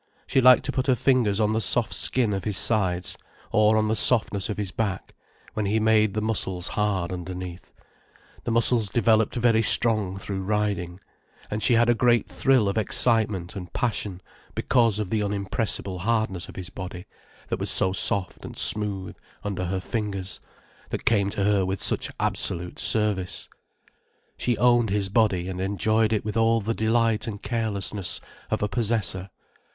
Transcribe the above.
She liked to put her fingers on the soft skin of his sides, or on the softness of his back, when he made the muscles hard underneath, the muscles developed very strong through riding; and she had a great thrill of excitement and passion, because of the unimpressible hardness of his body, that was so soft and smooth under her fingers, that came to her with such absolute service. She owned his body and enjoyed it with all the delight and carelessness of a possessor.